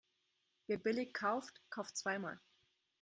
Wer billig kauft, kauft zweimal.